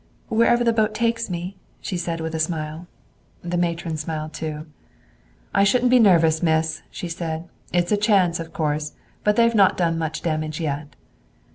"Wherever the boat takes me," she said with smile. The matron smiled too. "I shouldn't be nervous, miss," she said. "It's a chance, of course, but they have not done much damage yet."